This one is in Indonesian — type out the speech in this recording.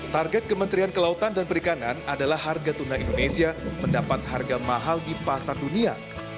target kementerian kelautan dan perikanan adalah harga tuna indonesia mendapat harga mahal di pasar dunia